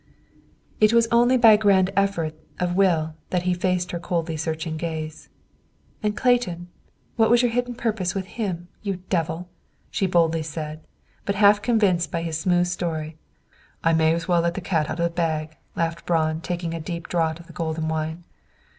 It was only by a grand effort of will that he faced her coldly searching gaze. "And Clayton; what was your hidden purpose with him, you devil?" she boldly said, but half convinced by his smooth story. "I may as well let the cat out of the bag," laughed Braun, taking a deep draught of the golden wine.